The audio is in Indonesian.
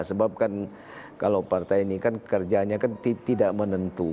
sebab kan kalau partai ini kan kerjanya kan tidak menentu